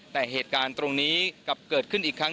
แต่เหตุการณ์ตรงนี้กลับเกิดขึ้นอีกครั้ง